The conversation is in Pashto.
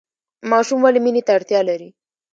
ماشوم ولې مینې ته اړتیا لري؟